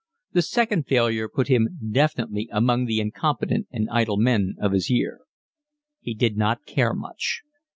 The second failure put him definitely among the incompetent and idle men of his year. He did not care much.